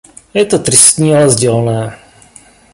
Je to tristní, ale sdělné.